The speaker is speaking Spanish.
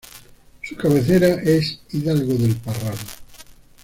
Su cabecera es Hidalgo del Parral.